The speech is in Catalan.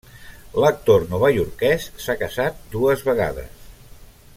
L'actor novaiorquès s'ha casat dues vegades.